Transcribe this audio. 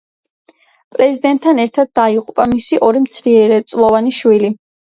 პრეზიდენტთან ერთად დაიღუპა მისი ორი მცირეწლოვანი შვილი.